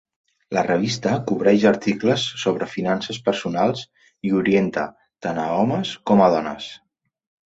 La revista cobreix articles sobre finances personals i orienta tant a homes com a dones.